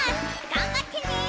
がんばってね。